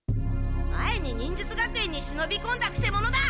前に忍術学園にしのびこんだくせ者だ！